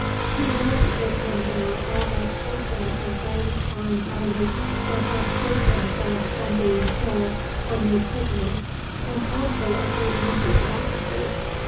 He led with him there all that portion of Vang Khan's army that had saved themselves from being killed or made prisoners, and also a great number of officers.